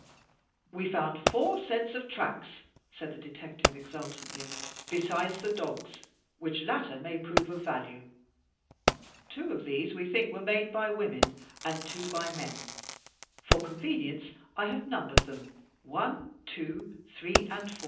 "We found four sets of tracks,'* said the detective, exultantly, "besides the dog's, which latter may prove of value. Two of these we think were made by women, and two by men. For convenience, I have numbered them 1, 2, 3 and 4."